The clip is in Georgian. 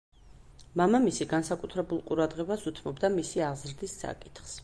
მამამისი განსაკუთრებულ ყურადღებას უთმობდა მისი აღზრდის საკითხს.